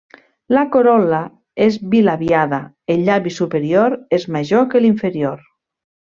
La corol·la és bilabiada, el llavi superior és major que l'inferior.